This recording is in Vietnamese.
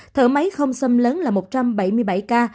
thở máy không xâm lấn là một trăm bảy mươi bảy ca